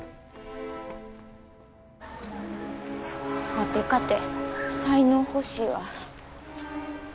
ワテかて才能欲しいわ。